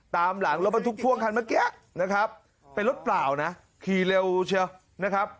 ตามหลังรถบรรทุกพ่วงคันเมื่อกี้นะครับเป็นรถเปล่านะขี่เร็วเชียวนะครับ